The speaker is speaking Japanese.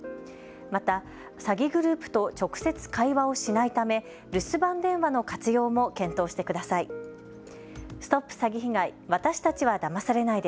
また詐欺グループと直接、会話をしないため留守番電話の活用も検討してください。